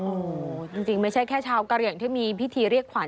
โอ้โหจริงไม่ใช่แค่ชาวกะเหลี่ยงที่มีพิธีเรียกขวัญ